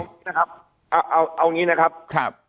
ดูนี้นะครับเอางี้นะครับ